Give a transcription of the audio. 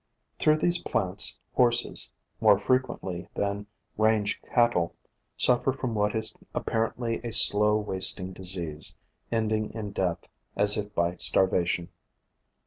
Through these plants horses, more frequently than range cattle, suffer from what is apparently a slow wasting disease, ending in death, as if by starvation.